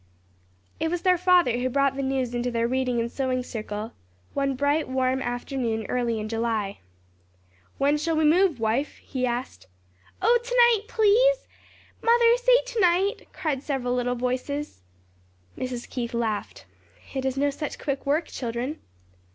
It was their father who brought the news into their reading and sewing circle, one bright warm afternoon early in July. "When shall we move, wife?" he asked. "Oh to night, to night! please, mother say to night," cried several little voices. Mrs. Keith laughed. "It is no such quick work, children."